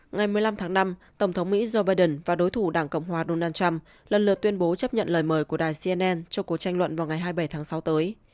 ngày một mươi năm tháng năm tổng thống mỹ joe biden và đối thủ đảng cộng hòa donald trump lần lượt tuyên bố chấp nhận lời mời của đài cnn cho cuộc tranh luận vào ngày hai mươi bảy tháng sáu tới